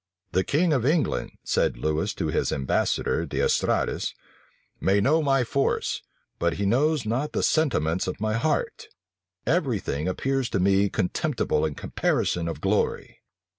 "The king of England," said Lewis to his ambassador D'Estrades, "may know my force, but he knows not the sentiments of my heart: every thing appears to me contemptible in comparison of glory."